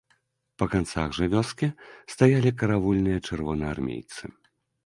Па канцах жа вёскі стаялі каравульныя чырвонаармейцы.